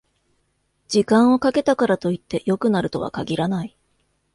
時間をかけたからといって良くなるとは限らない